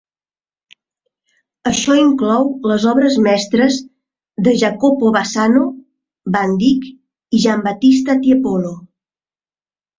Això inclou les obres mestres de Jacopo Bassano, Van Dyck i Giambattista Tiepolo.